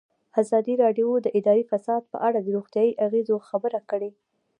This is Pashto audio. ازادي راډیو د اداري فساد په اړه د روغتیایي اغېزو خبره کړې.